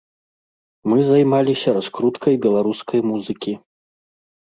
Мы займаліся раскруткай беларускай музыкі.